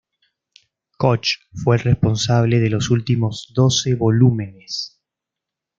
Koch fue el responsable de los últimos doce volúmenes.